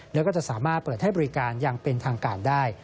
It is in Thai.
แล้วก็จะสามารถเปิดให้บริการอย่างเป็นทางการได้